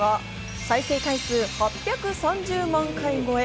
再生回数８３０万回超え。